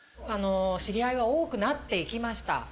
知り合いは多くなって行きました。